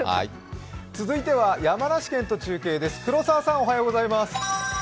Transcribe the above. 続いては山梨県と中継です。